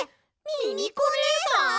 ミミコねえさん！？